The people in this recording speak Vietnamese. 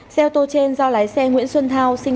xe ô tô trên do lái xe nguyễn xuân thao